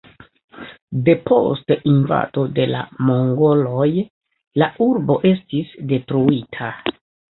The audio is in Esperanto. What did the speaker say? Depost invado de la mongoloj la urbo estis detruita.